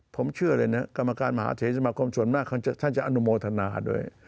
ผมเชื่อเลยนะกรรมการมหาเทศสมาคมส่วนมากท่านจะอนุโมทนาด้วย